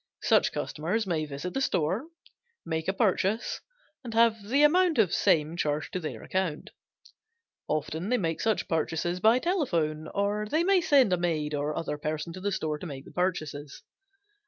Such customers may visit the store, make a purchase, and have the amount of same charged to their account. Often they make such purchases by telephone, or may send a maid or other person to the store to make the purchases.